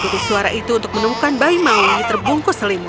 dia mengikuti suara itu untuk menemukan bayi maui terbungkus selimut